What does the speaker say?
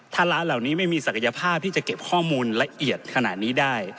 ถ้าร้านเหล่านี้ไม่มีศักยภาพที่จะเก็บข้อมูลละเอียดขนาดนี้ได้